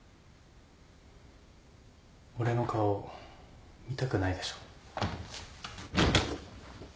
俺の顔見たくないでしょ？